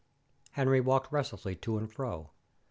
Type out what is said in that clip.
Henry walked restlessly to and fro.